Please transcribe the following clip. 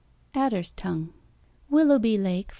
(Adder's Tongue) Willoughby Lake, Vt.